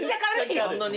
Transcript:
そんなに？